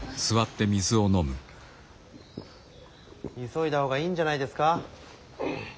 急いだ方がいいんじゃないですか。